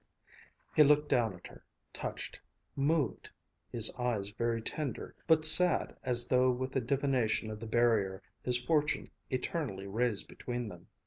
He looked down at her, touched, moved, his eyes very tender, but sad as though with a divination of the barrier his fortune eternally raised between them.